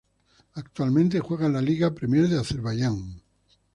Actualmente juega en la Liga Premier de Azerbaiyán.